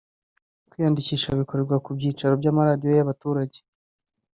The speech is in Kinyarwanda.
Kwiyandikisha bikorerwa ku byicaro by’amaradiyo y’abaturage